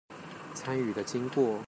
參與的經過